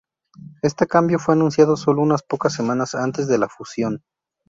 Este cambio fue anunciado solo unas pocas semanas antes de la fusión.